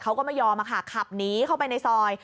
เขาก็ไม่ยอมค่ะขับหนีเข้าไปในซอย